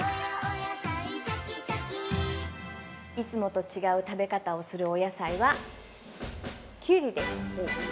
◆いつもと違う食べ方をするお野菜は、キュウリです。